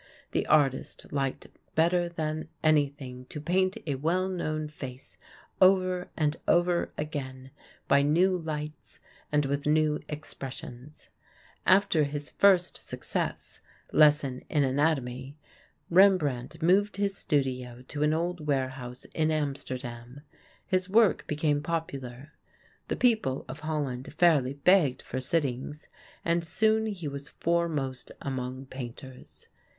The artist liked better than anything to paint a well known face over and over again, by new lights and with new expressions. After his first success, "Lesson in Anatomy," Rembrandt moved his studio to an old warehouse in Amsterdam. His work became popular. The people of Holland fairly begged for sittings, and soon he was foremost among painters.